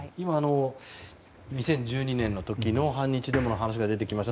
２０１２年の時の反日デモの時のお話が出てきました。